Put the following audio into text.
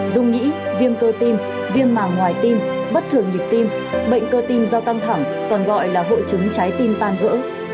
dung nghĩ viêm cơ tim viêm màng ngoài tim bất thường nhịp tim bệnh cơ tim do căng thẳng còn gọi là hội trứng trái tim tan gỡ